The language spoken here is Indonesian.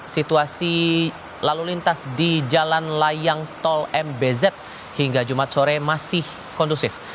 situasi lalu lintas di jalan layang tol mbz hingga jumat sore masih kondusif